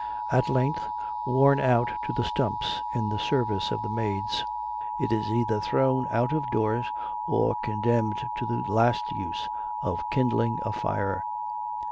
At length, worn out to the stumps in the service of the maids, it is either thrown out of doors, or condemned to the last use, of kindling a fire.